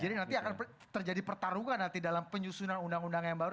jadi nanti akan terjadi pertarungan nanti dalam penyusunan undang undang yang baru